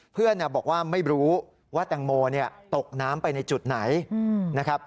เพื่อนบอกว่าไม่รู้ว่าแตงโมตกน้ำไปในจุดไหนนะครับ